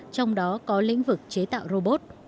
trong đó có lĩnh vực chế tạo robot